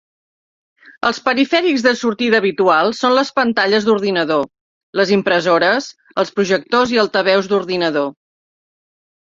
Els perifèrics de sortida habituals són les pantalles d'ordinador, les impressores, els projectors i altaveus d'ordinador.